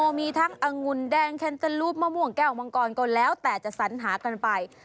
มีทั้งองุ่นแดงแคนเตอร์ลูปมะม่วงแก้วมังกรก็แล้วแต่จะสัญหากันไป